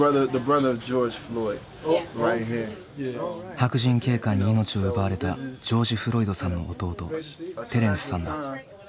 白人警官に命を奪われたジョージ・フロイドさんの弟テレンスさんだ。